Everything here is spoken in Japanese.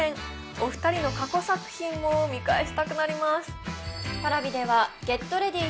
お二人の過去作品も見返したくなります